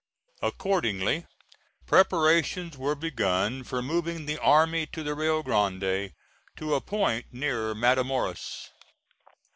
Accordingly, preparations were begun for moving the army to the Rio Grande, to a point near Matamoras.